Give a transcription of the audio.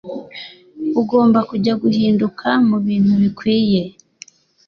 Ugomba kujya guhinduka mubintu bikwiye.